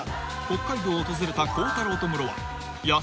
［北海道を訪れた孝太郎とムロは］うわ！